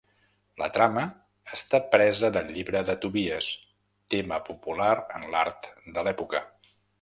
La trama està presa del Llibre de Tobies, tema popular en l'art de l'època.